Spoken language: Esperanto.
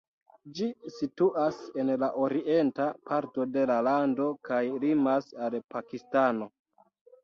Ĝi situas en la orienta parto de la lando kaj limas al Pakistano.